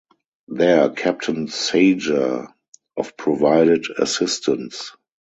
There Captain Sager of provided assistance.